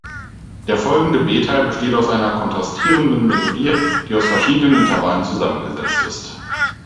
Der folgende B-Teil besteht aus einer kontrastierenden Melodie, die aus verschiedenen Intervallen zusammengesetzt ist.